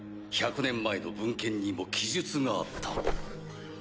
１００年前の文献にも記述があった。